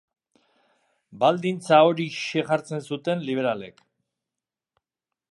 Baldintza horixe jartzen zuten liberalek.